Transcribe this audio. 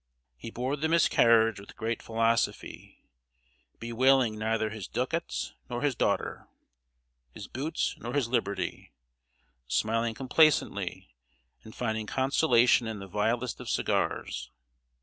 He bore the miscarriage with great philosophy, bewailing neither his ducats nor his daughter, his boots nor his liberty smiling complacently, and finding consolation in the vilest of cigars.